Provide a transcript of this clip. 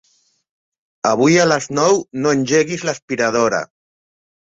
Avui a les nou no engeguis l'aspiradora.